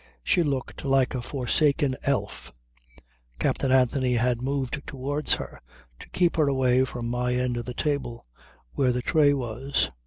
She looked like a forsaken elf. Captain Anthony had moved towards her to keep her away from my end of the table, where the tray was.